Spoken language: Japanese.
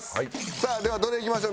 さあではどれいきましょう？